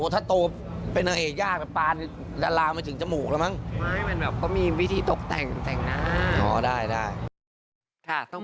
ถ้าโตเป็นนางเอกยากพาลลามาถึงจมูกแล้วมั้ง